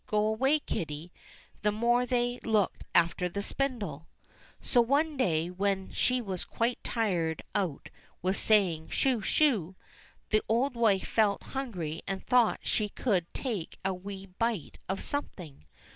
Go away, kitty !" the more they looked after the spindle ! So, one day, when she was quite tired out with saying, *'Sho ! Sho !" the old wife felt hungry and thought she could take a wee bite of something.